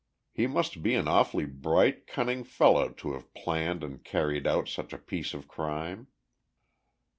He must be an awfully bright, cunning fellow to have planned and carried out such a piece of crime.